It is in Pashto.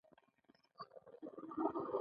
مینوټ د صادر شوي مکتوب کاپي ده.